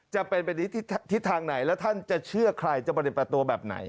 จะเป็นไปทิศทางไหนแล้วท่านจะเชื่อใครจะปฏิบัติตัวแบบไหน